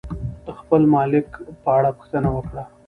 د خپل ملک په اړه پوښتنه وکړه.